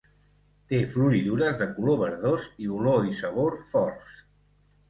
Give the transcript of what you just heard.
Té floridures de color verdós i olor i sabor forts.